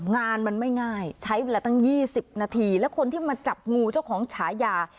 งานมันไม่ง่ายใช้เวลาตั้ง๒๐นาทีและคนที่มาจับงูเจ้าของฉายา